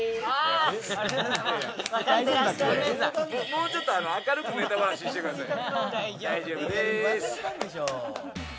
もうちょっと明るくネタばらししてください。